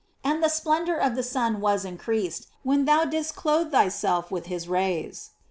And the splendor of the sun was increased, when thou didst clothe thyself with his rays.